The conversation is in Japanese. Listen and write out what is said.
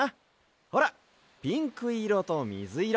ほらピンクいろとみずいろ